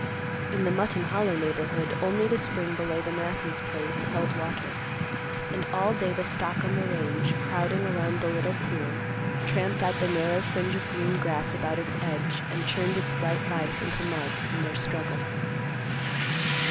In the Mutton Hollow neighborhood, only the spring below the Matthews place held water; and all day the stock on the range, crowding around the little pool, tramped out the narrow fringe of green grass about its edge, and churned its bright life into mud in their struggle.